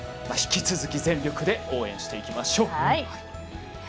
引き続き、全力で応援していきましょう。